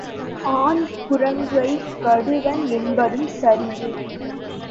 On குரங்கைக் கடுவன் என்பதும் சரியே.